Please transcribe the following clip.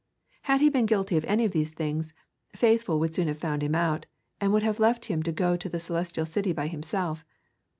Had he been guilty of any of these things, Faithful would soon have found him out, and would have left him to go to the Celestial City by himself.